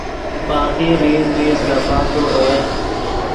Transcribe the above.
باقی ریز ریز گپاکے اویت